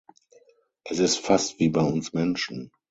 Es ist fast wie bei uns Menschen.